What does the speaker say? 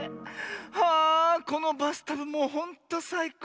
ああこのバスタブもうほんとさいこう。